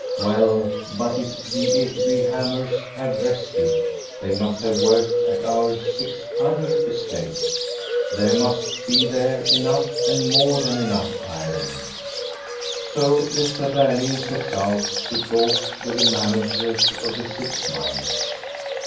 Well, but if the Ekeby hammers have rested, they must have worked at our six other estates. There I must be there enough and more than enough iron. I So Gbsta Berling sets out to talk with the managers wf the six mines.